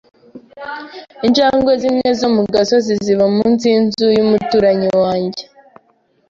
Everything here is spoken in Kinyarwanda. Injangwe zimwe zo mu gasozi ziba munsi yinzu yumuturanyi wanjye.